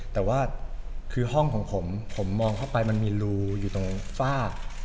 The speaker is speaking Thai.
แต่ว่าคือห้องของผมผมมองเข้าไปมันมีรูอยู่ตรงฝ้า